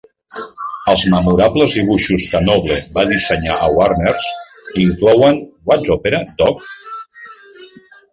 Els memorables dibuixos que Noble va dissenyar a Warners inclouen What's Opera, Doc?